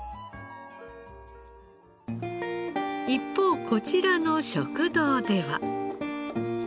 一方こちらの食堂では。